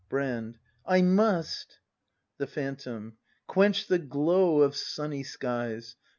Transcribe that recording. Brand. I must. The Phantom. Quench the glow of sunny skies.